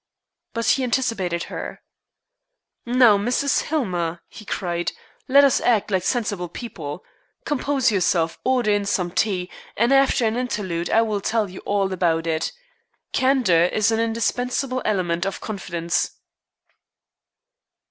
But he anticipated her. "Now, Mrs. Hillmer," he cried, "let us act like sensible people. Compose yourself, order in some tea, and after an interlude I will tell you all about it. Candor is an indispensable element of confidence."